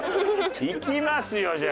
行きますよじゃあ。